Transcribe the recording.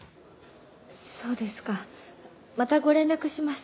そうですかまたご連絡します。